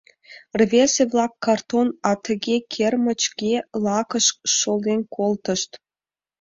Рвезе-влак картон атыге-кермычге лакыш шолен колтышт.